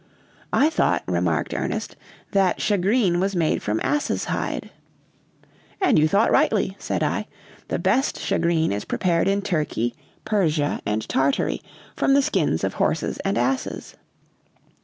"I thought," remarked Ernest, "that shagreen was made from asses' hide." "And you thought rightly," said I. "The best shagreen is prepared in Turkey, Persia, and Tartary, from the skins of horses and asses.